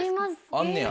あんねや。